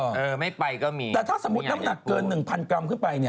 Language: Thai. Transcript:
แต่ถ้าสมมุติน้ำหนักเกิน๑๐๐๐กรัม